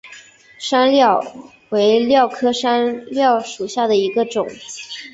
山蓼为蓼科山蓼属下的一个种。